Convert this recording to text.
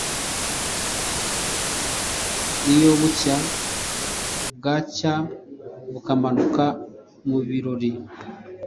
Iyo bucya bwacyabukamanuka mu birori